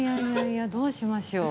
どうしましょう。